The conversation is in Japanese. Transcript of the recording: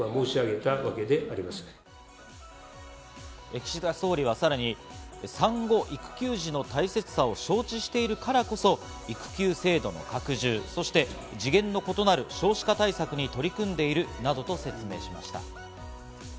岸田総理はさらに産後育休時の大切さを承知しているからこそ、育休制度の拡充、そして次元の異なる少子化対策に取り組んでいるなどと説明しました。